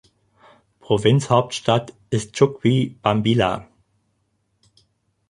Provinzhauptstadt ist Chuquibambilla.